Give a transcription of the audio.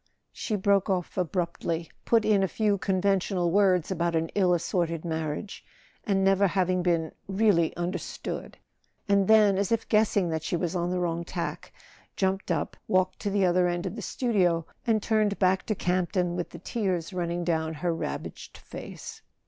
.. She broke off abruptly, put in a few conventional words about an ill assorted marriage, and never hav¬ ing been "really understood," and then, as if guessing that she was on the wrong tack, jumped up, walked to the other end of the studio, and turned back to Campton with the tears running down her ravaged face.